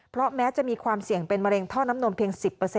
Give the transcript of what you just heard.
เพราะแม้จะมีความเสี่ยงเป็นมะเร็งท่อน้ำนมเพียง๑๐